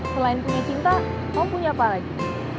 selain punya cinta mau punya apa lagi